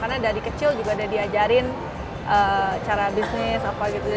karena dari kecil juga diajari cara bisnis apa gitu